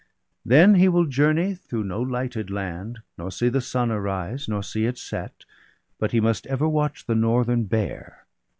Then he will journey through no lighted land, Nor see the sun arise, nor see it set; But he must ever watch the northern bear.